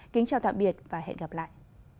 kính chào tạm biệt và hẹn gặp lại